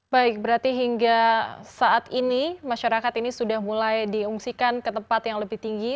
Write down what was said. baik berarti hingga saat ini masyarakat ini sudah mulai diungsikan ke tempat yang lebih tinggi